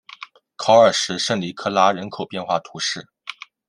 考尔什圣尼科拉人口变化图示